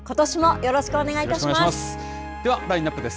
よろしくお願いします。